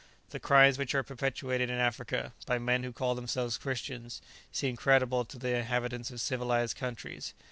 The crimes which are perpetuated in Africa, by men who call themselves Christians, seem incredible to the inhabitants of civilized countries.